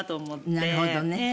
なるほどね。